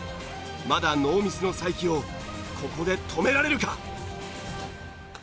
まだノーミスの才木をここで止められるか？